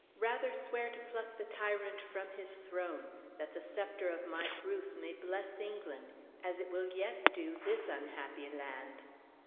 Rather swear to pluck the tyrant from his throne; that the scepter of my Bruce may bless England, as it will yet do this unhappy land!"